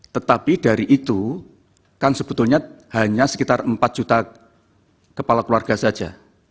tetapi dari itu kan sebetulnya hanya sekitar empat juta kepala keluarga saja